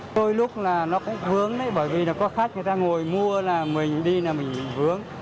thôi lúc là nó vướng đấy bởi vì có khách người ta ngồi mua là mình đi là mình vướng